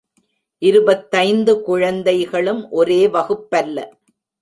இருபத்தைந்து குழந்தைகளும் ஒரே வகுப்பல்ல.